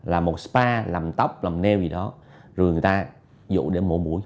là một spa làm tóc làm neo gì đó rồi người ta dụ để mổ mũi